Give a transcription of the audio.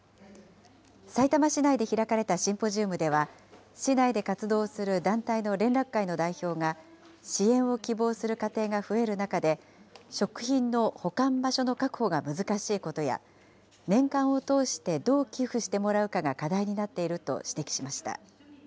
さいたま市内で開かれたシンポジウムでは、市内で活動する団体の連絡会の代表が、支援を希望する家庭が増える中で、食品の保管場所の確保が難しいことや、年間を通してどう寄付してもらうかが課題になっていると指摘しました。